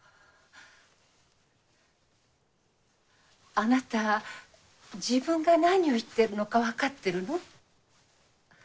あなた自分が何を言ってるのかわかってるの？